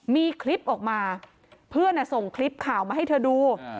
มีคลิปออกมาเพื่อนส่งคลิปข่าวมาให้เธอดู